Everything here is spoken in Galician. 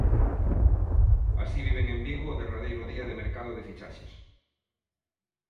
Así viven en Vigo o derradeiro día de mercado de fichaxes.